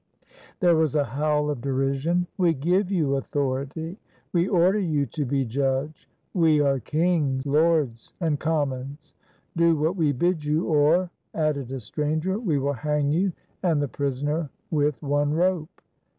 There was a howl of derision. "We give you authority!" "We order you to be judge!" "We are King, Lords, and Commons!" "Do what we bid you, or," added a stranger, "we will hang you and the prisoner with one rope!"